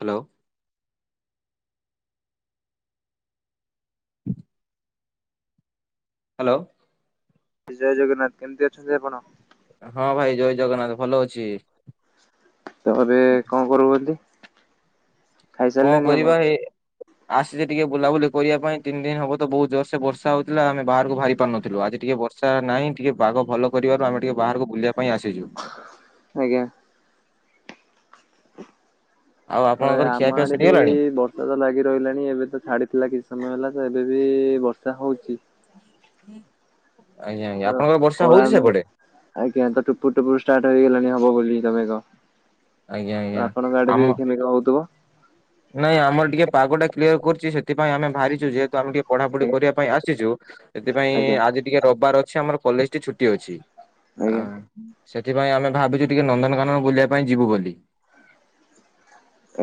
Hello. Hello? Jay Jagannath, କେମିତି ଅଛନ୍ତି ଆପଣ? ହଁ ଭାଇ, ଜୟ ଜଗନ୍ନାଥ ଭଲ ଅଛି। ତ ଏବେ କଣ କରୁଛନ୍ତି? କଣ ଖାଇସାରିଲେଣି ଆପଣ? କରିବା ଏ ଆସିଛି ଟିକେ ବୁଲାବୁଲି କରିବା ପାଇଁ ତିନି ଦିନ ହବ ତ ବହୁତ ଜୋରସେ ବର୍ଷା ହଉଥିଲା ଆମେ ବାହାରକୁ ବାହାରି ପାରୁନଥିଲୁ, ଆଜି ଟିକେ ବର୍ଷ୍ ବର୍ଷା ନାଇଁ, ଟିକେ ପାଗ ଭଲ କରିବାରୁ ଆମେ ଟିକେ ବାହାରକୁ ବୁଲିବା ପାଇଁ ଆସିଛୁ। ଆଜ୍ଞା। ଆଉ ହଁ ଏ ଆପଣଙ୍କର ଆମ ଖିଆପିଆ ଆଡେ ସରିଗଲାଣି? ବି-ଇ-ଇ ବର୍ ସ ତ ଲାଗି ରହିଲାଣି ଏବେ ତ ଛାଡ଼ିଥିଲା କିଛି ସମୟ ହେଲା ତ ଏବେ ବି-ଇ-ଇ ବର୍ଷା ହଉଛି। ଆଜ୍ଞା ତ ଆଜ୍ଞା ଆପଣଙ୍କର ବର୍ଷା କଳା ହଉଛି ସେପଟେ? ଆଜ୍ଞା, ତ ଟୁପୁରୁ ଟୁପୁରୁ ଷ୍ଟାର୍ଟ ହେଇଗଲାଣି ହବ ବୋଲି ତ ମେଘ। ଆଜ୍ଞା ତ ଆଜ୍ଞା ଆପଣଙ୍କ ଆଡେ ଆମ ବି ଏଇଖା ମେଘ ହଉଥିବ। ନାଇଁ ଆମର ଟିକେ ପାଗ ଟା କ୍ଲିୟର କରଛି ସେଥିପାଇଁ ଆମେ ବାହାରିଛୁ ଯେହେତୁ ଆମେ ଟିକେ ପଢାପଢି କରିବା ପାଇଁ ଆସିଛୁ ସେଥିପାଇଁ ଆଜ୍ଞା ଆଜି ଟିକେ ରବିବାର ଅଛି ଆମର କଲେଜଟି ଛୁଟି ଅଛି। ଆ, ଆଜ୍ଞା ସେଥିପାଇଁ ଆମେ ଭାବିଛୁ ଟିକେ ନନ୍ଦନକାନନ ବୁଲିବା ପାଇଁ ଯିବୁ ବୋଲି।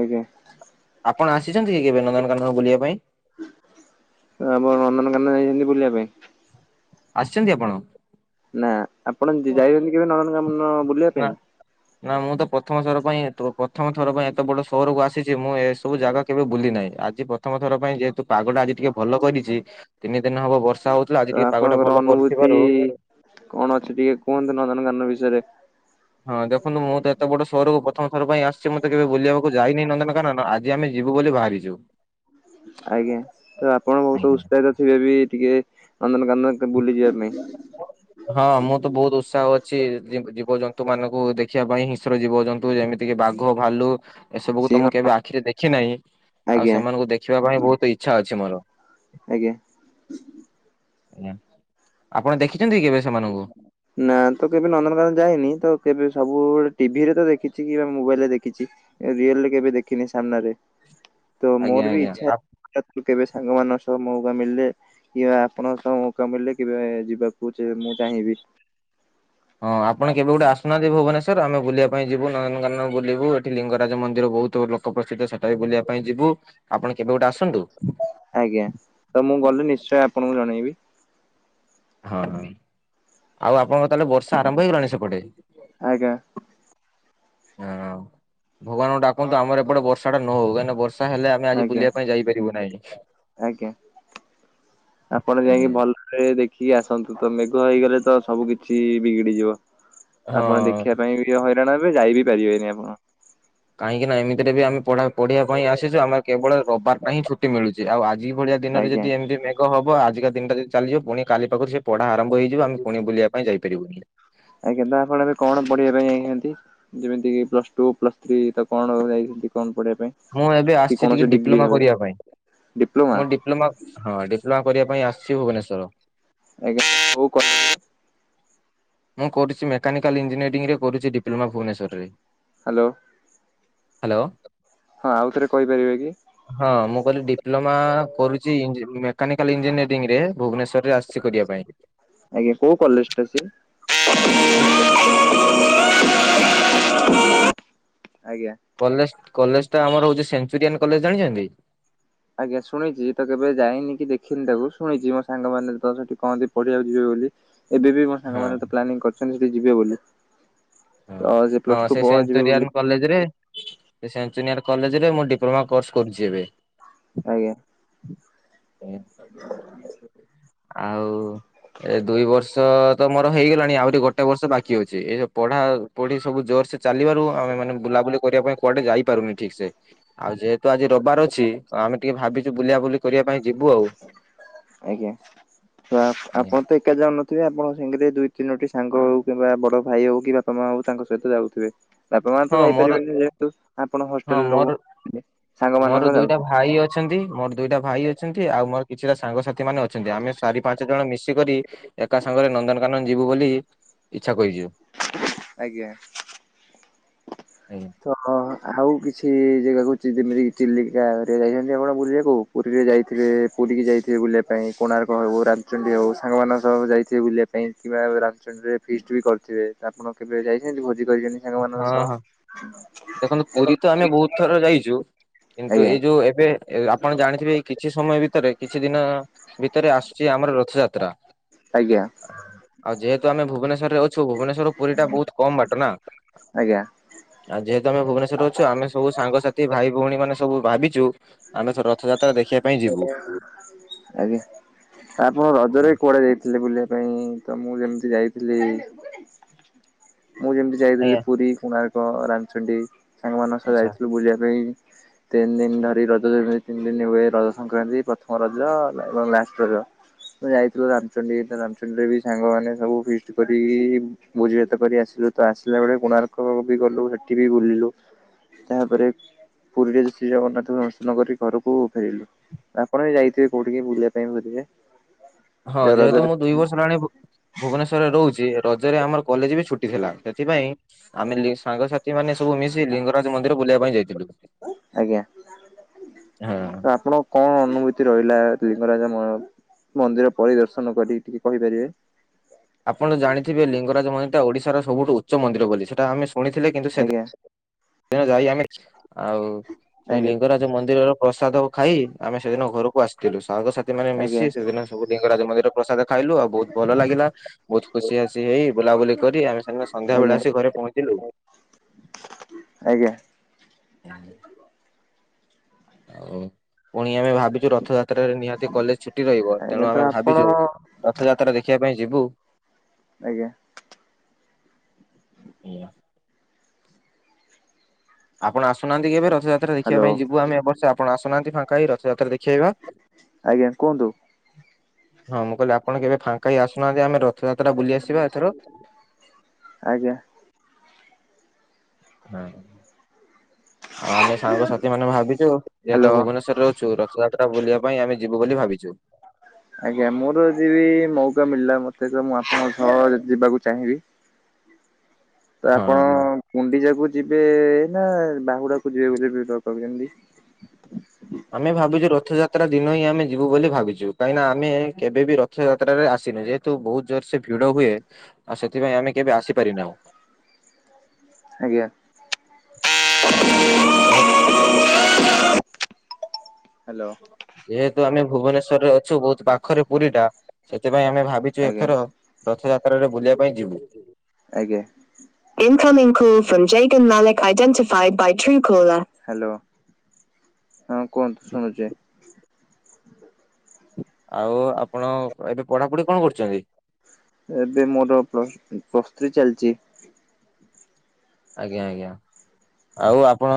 ଆଜ୍ଞା। ଆପଣ ଆସିଛନ୍ତି କି କେବେ ନନ୍ଦନକାନନ ବୁଲିବା ପାଇଁ? ଆପଣ ନନ୍ଦନକାନନ ଯାଇଛନ୍ତି ବୁଲିବା ପାଇଁ? ଆସିଛନ୍ତି ଆପଣ? ନା ଆପଣ ଜ ଯାଇଛନ୍ତି କେବେ ନନ୍ଦନକାନନ? ବୁଲିବା ନା। ପାଇଁ? ନା ମୁଁ ତ ପଥମ ପାଇଁ ପଥମ ଥର ପାଇଁ ଏତେ ବଡ ସହରକୁ ଆସିଛି ମୁଁ ଏସବୁ ଜାଗା କେବେ ବୁଲି ନାହିଁ ଆଜି ପ୍ରଥମ ଥର ପାଇଁ ଯେହେତୁ ପାଗଟା ଆଜି ଟିକେ ଭଲ କରିଛି ତିନି ଦିନେ ହବ ବର୍ଷ ଷା ହଉଥିଲା ତ ଆଜି ଟିକେ ପାଗଟା ଆପଣଙ୍କର ଭଲ ଅନୁଭୂତି କରିଥିବାରୁ। କଣ ଅଛି ଟିକେ କୁହନ୍ତୁ ନନ୍ଦନକାନନ ବିଷୟରେ? ହଁ ଦେଖନ୍ତୁ ମୁଁ ତ ଏତେ ବଡ ସହରକୁ ପ୍ରଥମଥର ପାଇଁ ଆସିଛି ମୁଁ ତ କେବେ ବୁଲିବାକୁ ଯାଇନି ନନ୍ଦନକାନନ ଆଜ ଜି ଆମେ ଯିବୁ ବୋଲି ବାହାରିଛୁ। ଁ [unintelligible] ଆଜ୍ଞା ତ ଆପଣ ବହୁତ ଆଜ୍ଞା। ଉତ୍ସାହିତ ଥିବେ ବି ଟିକେ ନନ୍ଦନକାନନ ହେକା ବୁଲି ଯିବା ପାଇଁ। ହ ହଁ [inaudible] ହଁ ମୁଁ ତ ବହୁତ ଉତ୍ସାହ ଅଛି ଜୀବଜନ୍ତୁ ମାନଙ୍କୁ ଦେଖିବା ପାଇଁ ହିଁସ୍ର ଜୀବଜନ୍ତୁ ଯେମି ତିକି ବାଘ, ଭାଲୁ। ଏସବୁକୁ ସିଂହ ତ ମୁଁ କେବେ ଆଖିରେ ଦେଖି ନାହିଁ ଆଉ ଆଜ୍ଞା ସେମାନଙ୍କୁ ଦେଖିବା ପାଇଁ ବହୁତ ଇଚ୍ଛା ଅଛି ମୋର। ଆଜ୍ଞା। ଆପଣ ଦେଖିଛନ୍ତି କେବେ ସେମାନଙ୍କୁ? ନା ତ କେବେ ନନ୍ଦନକାନନ ଯାଇନି ତ କେବେ ସବୁବେଳେ ଟିଭିରେ ତ ଦେଖିଛି କିବା ମୋବାଇଲ ରେ ଦେଖିଛି। ରିଏଲରେ କେବେ ଦେଖିନି ସାମ୍ନାରେ ତ ଆଜ୍ଞା ମୋର ବି ଆଜ୍ଞା ଆ ଇଚ୍ଛା କେବେ ସାଙ୍ଗମାନଙ୍କ ସହ ମୌକା ମିଳିଲେ କିବା ଆପଣଙ୍କ ସହ ମୌକା ମିଳିଲେ କେବେ ଯିବାକୁ ସେ ମୁଁ ଚାହିଁବି। ହଁ ଆପଣ କେବେ ଗୋଟେ ଆସୁନାହାନ୍ତି ଭୁବନେଶ୍ୱର ଆମେ ବୁଲିବୁ ପାଇଁ ଯିବୁ ନନ୍ଦନକାନନ ବୁଲିବୁ ଏଠି ଲିଙ୍ଗରାଜ ମନ୍ଦିର ବହୁତ ଲୋ [unintelligible] ସେଟା ବି ବୁଲିବା ପାଇଁ ଯିବୁ ଆପଣ କେବେ ଗୋଟେ ଆସନ୍ତୁ। ଆଜ୍ଞା ତ ମୁଁ ଗଲେ ନିଶ୍ଚୟ ଆପଣଙ୍କୁ ଜଣେଇବି। ହଁ ଆଉ ଆପଣଙ୍କ ତାହେଲେ ବର୍ଷା ଆରମ୍ଭ ହେଇଗଲାଣି ସେପଟେ। ଆଜ୍ଞା। ହଁ ଭଗବାନଙ୍କୁ ଡାକନ୍ତୁ ଆମର ଏପଟେ ବର୍ଷା ଟା ନ ହଉ କାହିଁ ନା ବର୍ଷା ଷା ହେଲେ ଆମେ ଆଜି ଆଜ୍ଞା ବୁଲିବା ପାଇଁ ଯାଇପାରିବୁ ନାହିଁ। ଆଜ୍ଞା। ଆପଣ ଯାଇକି ଆଜ୍ଞା ଭଲ ରେ ଦେଖିକି ଆସନ୍ତୁ ତ ମେଘ ହେଇଗଲେ ତ ସବୁ କିଛି ବିଗିଡିଯିବ। ଆପଣ ହଁ ଦେଖିବା ପାଇଁ ବି ହଇରାଣ ହେବେ ଯାଇ ବିି ପାରିବେନି ଆପଣ। କାହିଁକି ନା ଏମିତିରେ ଵି ଆମେ- ପଢା ପଢ଼ିବା ପାଇଁ ଆସିଛୁ ଆମର କେବଳ ରବିବାରଟା ହିିଁ ଛୁଟି ମିଳୁଛି ଆଉ ଆଜି ଭଳିଆ ଦିନରେ ଆଜ୍ଞା। ଯଦି ଏମିତି ମେ ମେଘ ହବ ଆଜିକା ଦିନଟି ଯି ଚାଲିଯିବ ପୁଣି କାଲି ପାଖରୁ ସେ ପଢା ଆରମ୍ଭ ହେଇଯିବ ଆମେ ପୁଣି ବୁଲିବା ପାଇଁ ଯାଇପାରିବୁନି। ଆଜ୍ଞା ତ ଆପଣ ଏବେ କଣ ପଢିବା ପାଇଁ ଯାଇଚନ୍ତି? ଯେମିତି କି ପ୍ଲସ ଟୁ ପ୍ଲସ ଥ୍ରୀ ତ କଣ ଯାଇଛନ୍ତି କଣ ପଢିବା ପାଇଁ ମୁଁ ଏବେ କି ଆସିଛି କୌଣସି ଟିକେ ଡିଗ୍ରୀ ଡିପ୍ଲୋମା ହଉ କରିବା ପାଇଁ ଡିପ୍ଲୋମା ମୁଁ ଡି ଡିପ୍ଲୋମା ହଁ ଡିପ୍ଲୋମା କରିବାପାଇଁ ଆସିଛି ଭୁବନେଶ୍ୱର। ଆଜ୍ଞା କଉ କ ମୁଁ କରୁଛି ମେକାନିକାଲ ଇଞ୍ଜିନିୟରିଂ କରୁଛି ଡିପ୍ଲୋମା ଭୁବନେଶ୍ୱରରେ ହ୍ୟାଲୋ ହ୍ୟାଲୋ ହଁ ଆଉ ଥରେ କହିପାରିବେ କି- ହଁ ମୁଁ କହିଲି ଡିପ୍ଲୋମା କରୁଛି ଇଜି ମେକାନିକାଲ୍ ଇଞ୍ଜିନିୟରିଂ ରେ ଭୁବନେଶ୍ୱରରେ ଆସି ଆଜ୍ଞା କୋଉ କଲେଜ ଟା ସେ? [inaudible] ଆଜ୍ଞା କଲେଜ କଲେଜ ଟା ଆମର ହଉଛି ସେଞ୍ଚୁରିଆନ୍ କଲେଜ ଜାଣିଚନ୍ତି? ଆଜ୍ଞା ଶୁଣିଛି ତ କେବେ ଯାଇନି କି ଦେଖିନି ତାକୁ ଶୁଣିଛି ମୋ ସାଙ୍ଗମାନେ ତ ସେଠି କହନ୍ତି ପଢିବାକୁ ଯିବେ ବୋଲି ଏବେ ବି ମୋ ହଁ ସାଙ୍ଗମାନେ ତ ପ୍ଲାନିଂ କରିଛନ୍ତି ସେଠି ଯିବେ ବୋଲି ହଁ ତ ସେ ହଁ ପ୍ଲସ ଟୁ ପର ଯିବେ ସେଞ୍ଚୁରିଆନ ବୋଲି କଲେଜରେ ସେ ସେଞ୍ଚୁରିଆନ କଲେଜରେ ମୁଁ ଡିପ୍ଲୋମା କୋର୍ସ କରୁଛି ଏବେ ଆଜ୍ଞା [unintelligible] ହ [unintelligible] ଆଉ ଏ ଦୁଇ ବର୍ଷ ତ ମୋର ହେଇଗଲାଣି ଆହୁରି ଗୋଟେ ବର୍ଷ ବାକି ଅଛି ଏ ପଢା ପଢି ସବୁ ଜୋର ସେ ଚାଲିିବାରୁ ଆମେ ମାନେ ବୁଲାବୁଲି କରିବା ପାଇଁ କୁଆଡେ ଯାଇପାରୁନି ଠିକସେ ଆଉ ଯେହେତୁ ଆଜି ରବିବାର ଅଛି ତ ଆମେ ଟିକେ ଭାବିଛୁ ବୁଲାବୁଲି କରିବା ପାଇଁ ଯିବୁ ଆଉ ଆଜ୍ଞା ତ ଆ ଆପଣ ତ ଏକା ଯାଉ ନଥିବେ ଆପଣ ସାଙ୍ଗରେ ଦୁଇ ତିନୋଟି ସାଙ୍ଗ ହଉ କିମ୍ବା ବଡ ଭାଇ ହଉ କିମ୍ବା ବାପା ମା ହଉ ତାଙ୍କ ସହିତ ଯାଉଥିବେ ବାପା ମା ତ ହଁ ମୋର ଯାଇପାରିବେନି ଯେହେତୁ ଆପଣ ହଁ ହଷ୍ଟେଲରେ ମୋର ରହୁ ସାଙ୍ଗମାନଙ୍କ ମୋର ସହ ଦୁଇଟା ଯାଉଛନ୍ତି। ଭାଇ ଅଛନ୍ତି ମୋର ଦୁଇଟା ଭାଇ ଅଛନ୍ତି ଆଉ ମୋର କିଛିଟା ସାଙ୍ଗସାଥି ଥି ମାନ ଅଛନ୍ତି ଆମେ ଚାରି ପାଞ୍ଚ ଜଣ ମିଶିକରି ଏକା ସାଙ୍ଗରେ ନନ୍ଦନକାନନ ଯିବୁ ବୋଲି ଇଚ୍ଛା କହିଛୁ ଆଜ୍ଞା ଆଜ୍ଞା ତ ହ ଆଉ କିଛି ଜାଗାକୁହୁଛି ଯେମିତି ଚିଲିକା ରେ ଯାଇଛନ୍ତି ଆପଣ ବୁଲିବା କୁ ପୁରୀରେ ଯାଇଥିବେ ପୁରୀ କି ଯାଇଥିବେ ବୁଲିବା ପାଇଁ କୋଣାର୍କ ହେଉ ରାମଚଣ୍ଡୀ ହେଉ ସାଙ୍ଗମାନଙ୍କ ସହ ଯାଇଥିବେ ବୁଲିବା ପାଇଁ କିବା ରାମଚଣ୍ଡୀରେ ଫିଷ୍ଟ ବି କରିଥିବେ ଆପଣ କେବେ ଯାଇଛନ୍ତି ଭୋଜି କରିଛନ୍ତି ସାଙ୍ଗମାନଙ୍କ ହଁ ସହ ହଁ। ଦେଖନ୍ତୁ ପୁରୀ ତ ଆମେ ବହୁତ ଥର ଯାଇଛୁ କିନ୍ତୁ ଆଜ୍ଞା। ଏଇ ଯୋଉ ଏବେ ଏ ଆପଣ ଜାଣିଥିବେ କିଛି ସମୟ ଭିତରେ କିଛି ଦିନ ଭିତରେ ଆସୁଛି ଆମର ରଥଯାତ୍ରା ଆଜ୍ଞା ଆଉ ଯେହେତୁ ଆମେ ଭୁବନେଶ୍ଵରରେ ଅଛୁ ଭୁବନେଶ୍ଵର ପୁରୀ ଟା ବହୁତ କମ ବାଟ ନା ଆଜ୍ଞା ଆଉ ଯେହେତୁ ଆମେ ଭୁବନେଶ୍ୱରରେ ଅଛୁ ଆମେ ସବୁ ସାଙ୍ଗସାଥି ଭାଇ ଭଉଣୀ ମାନେ ସବୁ ଭାବିଛୁ ଆମେ ତ ରଥଯାତ୍ରା ଦେଖିବା ପାଇଁ ଯିବୁ ଆଗେ ତ ଆପଣ ରଜରେ ବି କୁଆଡେ ଯାଇଥିଲେ ବୁଲିବା ପାଇଁ ତ ମୁଁ ଯେମିତି ଯାଇଥିଲି ମୁଁ ଯେମିତି ଯାଇଥିଲି ଆଜ୍ଞା। ପୁରୀ କୋଣାର୍କ ରାମଚଣ୍ଡୀ ସାଙ୍ଗମାନଙ୍କ ସହ ଆଚ୍ଛା ଯାଇଥିଲୁ ବୁଲିବା ପାଇଁ ତିନି ଦିନି ଧରି ରଜ ତିନି ଦିନ ହୁଏ ରଜ ସଂକ୍ରାନ୍ତି ପ୍ରଥମ ରଜ ଏବଂ ଲାଷ୍ଟ୍ ରଜ। ମୁଁ ଯାଇଥିଲୁ ରାମଚଣ୍ଡୀ ରାମଚଣ୍ଡୀରେ ବି ସାଙ୍ଗମାନେ ସବୁ ଫିଷ୍ଟ୍ କରି ଭୋଜିଭାତ୍ ଭାତ କରି ଆସିଲୁ, ତ ଆସିଲା ବେଳେ କୋଣାର୍କ ବି ଗଲୁ ସେଠି ବି ବୁଲିଲୁ ତାପରେ ପୁରୀରେ ଶ୍ରୀ ଜଗନ୍ନାଥଙ୍କୁ ଦର୍ଶନ କରି ଘରକୁ ଫେରିଲୁ। ଆପଣ ବି ଯାଇଥିବେ କୋଉଠି ବୁଲିବା ପାଇଁ ବୁଲିବେ? ହଁ ଯେହେତୁ ମୁଁ ଦୁଇ ବର୍ଷ ହେଲାଣି ଭୁବନେଶ୍ଵରରେ ରହୁଛି ରଜରେ ଆମର କଲେଜ ବି ଛୁଟି ଥିଲା। ସେଥିପାଇଁ ଆମେ ଲି ସାଙ୍ଗସାଥିମାନେ ସବୁ ମିଶି ଲିଙ୍ଗରାଜ ମନ୍ଦିର ବୁଲିବା ପାଇଁ ଯାଇଥିଲୁ। ଆଜ୍ଞା ହାଁ। ତ ଆପଣ କଣ ଅନୁଭୂତି ରହିଲା ଲିଙ୍ଗରାଜ ମ ମନ୍ଦିର ପରିଦର୍ଶନ କରି ଟିକେ କହିପାରିବେ? ଆପଣ ଜାଣିଥିବେ ଲିଙ୍ଗରାଜ ମନ୍ଦିରଟା ଓଡିଶାର ସବୁ ଉଚ୍ଚ ମନ୍ଦିର ବୋଲି ସେଟା ଆମେ ଶୁଣିଥିଲେ କିନ୍ତୁ ସେଦିନ୍ ଆଜ୍ଞା ସେଦିନ ଯାଇ ଆମେ ଆଉ ସେ ଆଜ୍ଞା ଲିଙ୍ଗରାଜ୍ ଯୋଉ ମନ୍ଦିରର ପ୍ରସାଦ ଖାଇ ଆମେ ସେଦିନ ଘରକୁ ଆସ୍ ଥିଲୁ, ସାଙ୍ଗସାଥିମାନେ ଆଜ୍ଞା ମିଶି ସେଦିନ ସବୁ ଲିଙ୍ଗରାଜ ମନ୍ଦିର ପ୍ରସାଦ ଖାଇଲୁ ଆଉ ବହୁତ ଭଲ ଲାଗିଲା। ବହୁତ ଖୁସି ବାସି ହେଇ ବୁଲାବୁଲି କରି ଆମେ ସେଦିନ ସନ୍ଧ୍ୟାବେଳେ ଆଜ୍ଞା ଆସି ଘରେ ପହଞ୍ଚିଲୁ। ଆଜ୍ଞା। ହୁଁ [unintelligible] ଆଉ ପୁଣି ଆମେ ଭାବିଛୁ ରଥଯାତ୍ରାରେ ନିହାତି କଲେଜ ଛୁଟି ରହିବ ଆଜ୍ଞା ତେଣୁ ଆମେ ତ ଆପଣ ଭାବିଛୁ ରଥଯାତ୍ରା ଦେଖିବା ପାଇଁ ଯିବୁ। ଆଜ୍ଞା। ଆପଣ ଆସୁହାନ୍ତି କେବେ ରଥଯାତ୍ରା ଦେଖିବା ହ୍ୟାଲୋ ପାଇଁ ଯିବୁ ଆମେ ଏବର୍ଷ ଆପଣ ଆସୁନାହାନ୍ତି ଫାଙ୍କା ହେଇ ରଥଯାତ୍ରା ଦେଖ୍ ଆଜ୍ଞା କୁହନ୍ତୁ। ହଁ ମୁଁ କହିଲି ଆପଣ କେବେ ଫାଙ୍କା ହେଇ ଆସୁନାହାନ୍ତି ଆମେ ରଥଯାତ୍ରା ବୁଲି ଆସିବା ଏଥର। ଆଜ୍ଞା। ହୁଁ ଆଉ ଆମେ ସାଙ୍ଗସାଥି ମାନେ ଭାବିଛୁ ଯେହେତୁ ହ୍ୟାଲୋ ଭୁବନେଶ୍ୱରରେ ରହୁଛୁ ରଥଯାତ୍ରା ବୁଲିବା ପାଇଁ ଆମେ ଯିବୁ ବୋଲି ଭାବିଛୁ। ଆଜ୍ଞା ମୋର ଯିବିି ମଉକା ମିଳିଲା ମତେ ତ ମୁଁ ଆପଣଙ୍କ ସହ ଯିବାକୁ ଚାହିଁବି। ତ ଆପଣ ହଁ। ଗୁଣ୍ଡିଚାକୁ ଯିବେ ନା ବାହୁଡାକୁ ଯିବେ ବୋଲି [unintelligible] କରିଛନ୍ତି? ଆମେ ଭାବିଛୁ ରଥଯାତ୍ରା ଦିନ ହିଁ ଆମେ ଯିବୁ ବୋଲି ଭାବିଛୁ କାହିଁକିନା ଆମେ କେବେ ବିି ରଥ୍ ରଥଯାତ୍ରାରେ ଆସିନୁ ଯେହେତୁ ବହୁତ ଜୋରସେ ଭିଡ ହୁଏ ଆଉ ସେଥିପାଇଁ ଆମେ କେବେ ଆସିପାରିନାହୁଁ। ଆଜ୍ଞା। ହଁ ଆଉ ହ୍ୟାଲୋ। ଯେହେତୁ ଆମେ ଭୁବନେଶ୍ଵରରେ ଅଛୁ ବହୁତ ପାଖରେ ପୁରୀଟା ସେଥିପାଇଁ ଆମେ ଭାବିଛୁ ଆଜ୍ଞା ଏଥର ରଥଯାତ୍ରାରୁ ଆଜ୍ଞା। ହ୍ୟାଲୋ। ହଁ କୁହନ୍ତୁ ଶୁଣୁଛି। ଆଉ ଆପଣ ଏବେ ପଢାପଢି କଣ କରୁଛନ୍ତି? ଏବେ ମୋର ପ୍ଲସ୍ ପ୍ଲସ୍ ଥ୍ରୀ ଚାଲିଛି। ଆଜ୍ଞା ଆଜ୍ଞା, ଆଉ ଆପଣ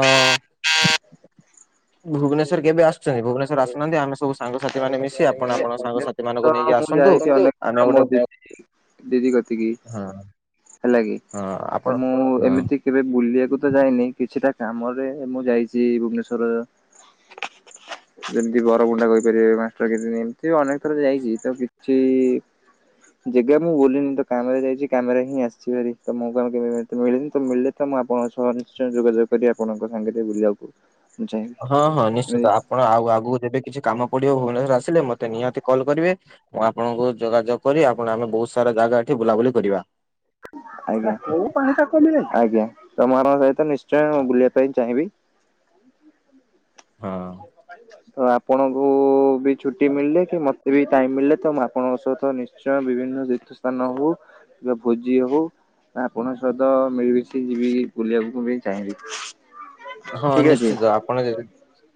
ଭୁବନେଶ୍ୱର କେବେ ଆସୁଛନ୍ତି ଭୁବନେଶ୍ୱର ଆସୁନାହାନ୍ତି ଆମେ ସବୁ ସାଙ୍ଗସାଥି ମାନେ ସାଙ୍ଗସାଥିମାନେ ଆପଣ ମିଶି ଆପଣଙ୍କ ଅନେକ ସାଙ୍ଗସାଥି ଅନେକ ମାନଙ୍କୁ ଥର ନେଇକି ମୁଁ ଆସନ୍ତୁ ଯାଇଛି ଅନେକ ଆମେ ଆମ ଗୋଟେ ବ୍ୟାଚ୍। ଦିଦି କତିକି, ହଁ ହେଲା କି ହଁ ଆପଣ ତ ମୁଁ ହଁ ଏମିତି କେବେ ବୁଲିବାକୁ ତ ଯାଇନି କିଛିଟା କାମରେ ମୁଁ ଯାଇଛି ଭୁବନେଶ୍ୱର। ଯେମିତି ବରମୁଣ୍ଡା କହିଲି। [unintelligible] ମାଷ୍ଟରକିରୀ ଏମତି ଅନେକ ଥର ଯାଇଛି ତ କିଛିଇ ଜେଗା ମୁଁ ବୁଲିନି ତ କାମରେ ଯାଇଛି କାମରେ ହିଁ ଆସିିଚୀଭାରି ତମ କାମ କେବେ ମିଳିନିତ ମିିଳିଲେ ତ ମୁଁ ଆପଣଙ୍କ ସହ ନିଶ୍ଚୟ ଯୋଗାଯୋଗ କରିବି ଆପଣଙ୍କ ସାଙ୍ଗରେ ବୁଲିବାକୁ। ମୁଁ ଚାହିଁବି ହଁ ହଁ ନିଶ୍ଚିତ ଆପଣ ଆଉଁ ଆଗକୁ ଯେବେ କିଛି କାମପଡିବ ଭୁବନେଶ୍ୱର ଆସିଲେ ମତେ ନିହାତି କଲ୍ କରିବେ ମୁଁ ଆପଣଙ୍କୁ ଯୋଗାଯୋଗ କରିବି ଆପଣ ଆମ ବହୁତ ସାରା ଜାଗା ଏଠି ବୁଲାବୁଲି କରିବା। ଆଜ୍ଞାକଉ ପାଣିଟା କମିଲାକି ଆଜ୍ଞା ତମ ମାନଙ୍କ ସହିତ ନିଶ୍ଚୟ ବୁଲିବା ପାଇଁ ଚାହିଁବି [inaudible] ହଁ ତ ଆପଣଙ୍କୁ ଉଁ ବି ଛୁଟି ମିଳିନି କି ମତେ ମୋତେବି ଟାଇମ ମିଳିଲେ ତ ମୁଁ ଆପଣଙ୍କ ସହିତ ନିଶ୍ଚୟ ବିଭିନ୍ନ ତୀର୍ଥସ୍ଥାନ ହଉଁ କିବା ଭୋଜି ହୋଉ ଆପଣଙ୍କ ସହିତ ମିଳିମିଶି ଯିବି ବୁଲିବାକୁ ମୁଁ ବି ଚାହିଁବି। ହଁ ଠିକ ଅଛି ନିଶ୍ଚିତ, ଆପଣ ଯେବ୍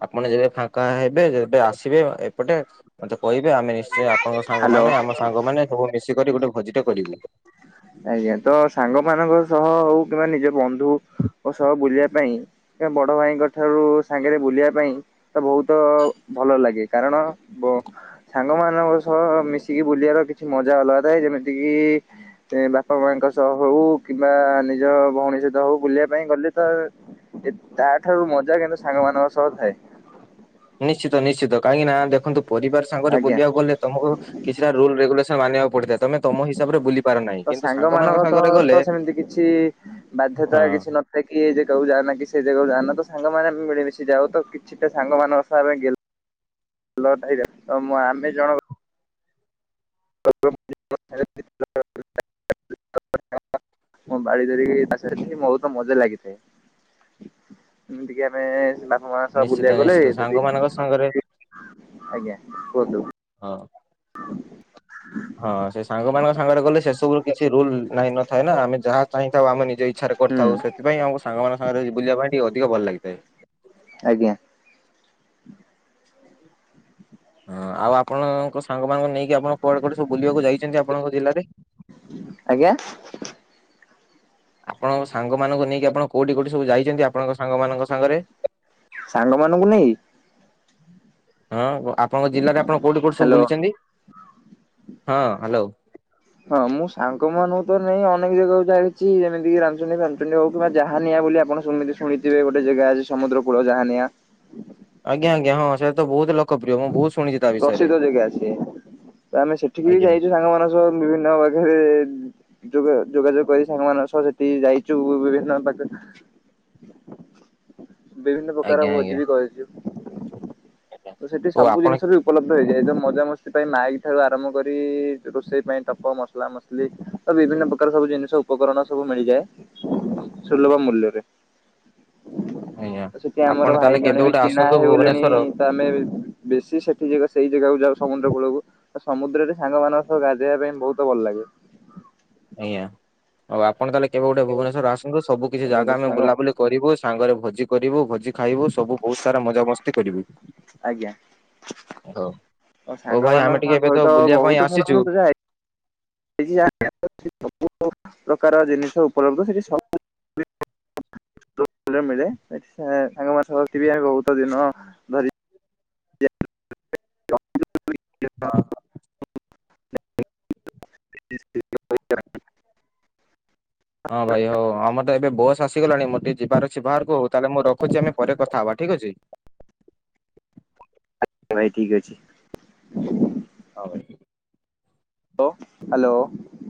ଆପଣ ଯେବେ ଫାଙ୍କା ହେବେ, ଯେ ବେ ଆସିବେ ଏପଟେ ମୋତେ କହିବେ ଆମେ ନିଶ୍ଚୟ ଆପଣଙ୍କ ହ୍ୟାଲୋ। ସାଙ୍ଗମାନେ ଆମ ସାଙ୍ଗମାନେ ସବୁ ମିଶିକରି ଗୋଟେ ଭୋଜିଟେ କରିବୁ। ଆଜ୍ଞା ତ ସାଙ୍ଗମାନଙ୍କ ସହ ହଉ କିମ୍ବା ନିଜ ବନ୍ଧୁଙ୍କ ସହ ବୁଲିବା ପାଇଁ ତ ବଡ଼ ଭାଇଙ୍କ ଠାରୁ ସାଙ୍ଗରେ ବୁଲିବା ପାଇଁ। ତ ବହୁତ ଭଲ ଲାଗେ କାରଣ ବ୍ ସାଙ୍ଗମାନଙ୍କ ସହ ମିଶିକି ବୁଲିଟା କିଛି ମଜା ଅଲଗା ଥାଏ ଯେମିତିକିି! ସେ ବାପାମାଙ୍କ ସହ ହଉ କିମ୍ବା ନିଜ ଭଉଣୀ ସହିତ ହଉଁ ବୁଲିବାପାଇଁ ଗଲେତ ଏ ତାଠାରୁ ମଜା କିନ୍ତୁ ସାଙ୍ଗ ମାନଙ୍କ ସହ ଥାଏ। ନିଶ୍ଚିତ ନିଶ୍ଚିତ କାହିଁକି ନାଁ ଦେଖନ୍ତୁ ପରିବାର ସାଙ୍ଗରେ ଆଜ୍ଞା। ବୁଲିବାକୁ ଗଲେ ତମକୁ। କିଛିଟା ରୁଲ ରେଗୁଲେସ ମାନିବାକୁ ପଡିଥାଏ ତମେ ତମ ହିସାବରେ ବୁଲିବ୍ ତ ସାଙ୍ଗମାନଙ୍କ ତ ତ ସେମିତି କିଛି ବାଧ୍ୟତା ହଁ କିଛି ନ ଥାଏ କିଏ ଯେ ଜାଗାକୁ ଯାଆନା, କି ସେ ଜାଗାକୁ ଯାଆନା, ତ ସାଙ୍ଗମାନେ ମିଳିମିଶି ଯାଅ ତ କିଛିଟା ସାଙ୍ଗମାନଙ୍କ ସହ ଆମେ ଗେଲ ଲ ଟା ହେଇଯାଉ ତ ଆମେ ଜଣକ [unintelligible] ମୁଁ ବାଡି ଧରିକି ତାସାରଥିଲି ବହୁତ ମଜା ଲାଗିଥାଏ। ଏମିତିକି ଆମେଏଁ ବାପ୍ କଣାସ ନିଶ୍ଚିତ ବୁଲିବାକୁ ନିଶ୍ଚିତ ଗଲେଏ ଯଦି ସାଙ୍ଗମାନଙ୍କ ସାଙ୍ଗରେ [unintelligible] ଆଜ୍ଞା କୁହନ୍ତୁ? ହଁ। [unintelligible] ହଁ ସେ ସାଙ୍ଗମାନଙ୍କ ସାଙ୍ଗରେ ଗଲେ ସେସବୁ କିଛି ରୁଲ ନାହିଁ ନଥାଏ ନାଁ, ଆମେ ଯାହା ଚାହିଁଥାଉଁ ଆମେ ନିଜ ଇଚ୍ଛାରେ କରିଥାଉଁ ସେ। ସେଥିପାଇଁ ଆମକୁ ସାଙ୍ଗମାନଙ୍କ ସାଙ୍ଗରେ ଯି ବୁଲିବାପାଇଁ ଟିକେ ଅଧିକ ଭଲ ଲାଗିଥାଏ। ଆଜ୍ଞା। ହଁ ଆଉ ଆପଣଙ୍କ ସାଙ୍ଗମାନଙ୍କୁ ନେଇକି ଆପଣ କୁଆଡେ କୁଆଡେ ସବୁ ବୁଲିବାକୁ ଯାଇଛନ୍ତି ଆପଣଙ୍କ ଜିଲ୍ଲାରେ? ଆଜ୍ଞା। ଆପଣଙ୍କ ସାଙ୍ଗମାନଙ୍କୁ ନେଇକି ଆପଣ କୋଉଠିଁ କୋଉଠିଁ ସବୁ ଯାଇଛନ୍ତି ଆପଣଙ୍କ ସାଙ୍ଗମାନଙ୍କ ସାଙ୍ଗରେ? ସାଙ୍ଗ ମାନଙ୍କୁ ନେଇ? ହଁ ଆପଣଙ୍କ ଜିଲ୍ଲାରେ ଆପଣ କୋଉଠି କୋଉଠି ସବୁ ହ୍ୟାଲୋ। ବୁଲିଛନ୍ତି? ହଁ ହ୍ୟାଲୋ। ହଁ ମୁଁ ସାଙ୍ଗ ମାନଙ୍କୁ ତ ନେଇକି ଅନେକ ଜାଗାକୁ ଯାଇଛି, ଯେମିତି କିି ରାମଚଣ୍ଡୀ। ହଉ କିମ୍ବା ଯାହାାନିଆ ବୋଲି ଆପଣ ଶୁଣି ଶୁଣିଥିବେ ଗୋଟେ ଜାଗା ଅଛି ସମୁ୍ଦ୍ର କୂଳ ଯାହାାନିଆ। ଆଜ୍ଞା ଆଜ୍ଞା ହଁ ସେଇଟା ତ ବହୁତ ଲୋକ ପ୍ରିୟ ମୁଁ ବହୁତ ଶୁ ପ୍ରସିଦ୍ଧ ଜାଗା ସିଏ ତ ଆମେ ସେଠିକି ବି ଆଜ୍ଞା ଯାଇଛୁ ସାଙ୍ଗ ମାନଙ୍କ। [unintelligible] ଯୋଗ ଯୋଗାଯୋଗ କରି ସାଙ୍ଗମାନଙ୍କ ସହ ସେଠି ଯାଇଛୁ ବିଭିନ୍ନ ପାଖ। ବିଭିନ୍ନ ପ୍ରକାର ଆଜ୍ଞା ଆଜ୍ଞା ଭୋଜି ବି କରିଚୁ। ତ ସେଠି ଓ ସବୁ ଆପଣ ଜିନିଷ ଉପଲବ୍ଧ ହେଇଯାଏ ତ ମଜାମସ୍ତି ପାଇଁ ମାଇକ୍ ଠାରୁ ଆରମ୍ଭ କରି ରୋଷେଇ ପାଇଁ ଟପ ମସଲା ମସଲି। ବିଭିନ୍ନ ପ୍ରକାର ସବୁ ଜିନିଷ ଉପକରଣ ସବୁ ମିଳିଯାଏ। ସୁଲଭ ମୂଲ୍ୟରେ। ଆଜ୍ଞା ଆଉ ସେଠି ଆପଣ ଆମର ତାହେଲେ ଭାଇ କେବେ ଜଣେ ବି ଗୋଟେ ଚିହ୍ନା ଆସନ୍ତୁ ହେଇଗଲେଣି। ଭୁବନେଶ୍ଵର ତ ଆମେ ବେଶୀ ସେଠି ସେଇ ଜାଗାକୁ ଯାଉ ସମୁଦ୍ର କୂଳକୁ। ତ ସମୁଦ୍ରରେ ସାଙ୍ଗମାନଙ୍କ ସହ ଗାଧେଇବା ପାଇଁ ବହୁତ ଭଲ ଲାଗେ। ଆଜ୍ଞା, ଆଉ ଆପଣ ତାହେଲେ କେବେ ଗୋଟେ ଭୁବନେଶ୍ୱର ଆସନ୍ତୁ ସବୁ କିଛି ଆଜ୍ଞା ତ ଜାଗା ଆମେ ସାଙ୍ଗ ବୁଲାବୁଲି କରିବୁ ସାଙ୍ଗରେ ଭୋଜି କରିବୁ ଭୋଜି ଖାଇବୁ ସବୁ ବହୁତ ସାରା ମଜାମସ୍ତି କରିବୁ। ଆଜ୍ଞା। ହ, ମୋ ହଉ ଭାଇ ଆମେ ସାଙ୍ଗମାନଙ୍କ ଟିକେ ଏବେ ତ ସହିତ ବୁଲିବା ପାଇଁ ବହୁତ ଥର ଆସିଚୁ ମୁଁ ତ [unintelligible] ପ୍ରକାର ଜିନିଷ ଉପଲବ୍ଧ ସେଠି ସବୁ [unintelligible] ମିଳେ, ଏଠି ସାଙ୍ଗ [unintelligible] ବହୁତ ଦିନ ଧରି ହଁ ହଁ। [unintelligible] ହଁ ଭାଇ ହ ଆମ ଏବେ ବସ୍ ଆସିଗଲାଣି ମୋର ଟିକେ ଯିବାର ଅଛି ବାହାରକୁ ହଉ ତାହେଲେ ମୁଁ ରଖୁଛି ଆମେ ପରେ କଥା ହବା ଠିକ ଅଛି। ଭାଇ ଠିକ୍ ଅଛି। ହଉ ଭାଇ। ଲୋ ହ୍ୟାଲୋ।